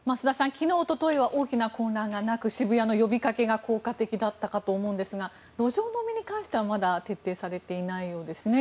昨日、おとといは大きな混乱がなく渋谷の呼びかけが効果的だったかと思うんですが路上飲みに関してはまだ徹底されていないようです。